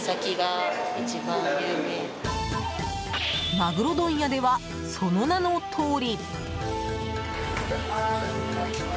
まぐろ問屋ではその名のとおり。